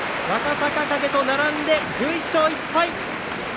若隆景と並んで１１勝１敗。